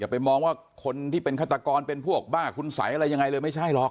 ไปมองว่าคนที่เป็นฆาตกรเป็นพวกบ้าคุณสัยอะไรยังไงเลยไม่ใช่หรอก